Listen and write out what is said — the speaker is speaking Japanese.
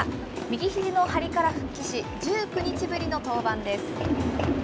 右ひじの張りから復帰し、１９日ぶりの登板です。